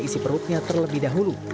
isi perutnya terlebih dahulu